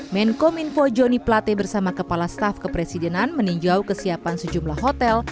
menkom info joni plate bersama kepala staf kepresidenan meninjau kesiapan sejumlah hotel